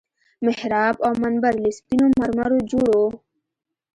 محراب او منبر له سپينو مرمرو جوړ وو.